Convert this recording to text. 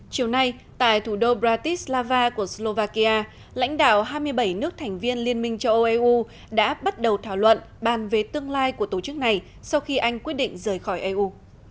chiều nay tại thủ đô bratislava của slovakia lãnh đạo hai mươi bảy nước thành viên liên minh châu âu eu đã bắt đầu thảo luận bàn về tương lai của tổ chức này sau khi anh quyết định rời khỏi eu